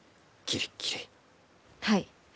はい。